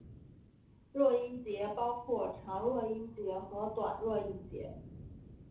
弱音节包括长弱音节和短弱音节。